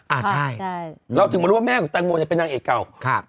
อ่าใช่เราถึงมารู้ว่าแม่ของแตงโมเนี่ยเป็นนางเอกเก่าครับ